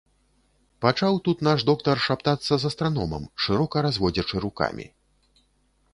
Пачаў тут наш доктар шаптацца з астраномам, шырока разводзячы рукамі.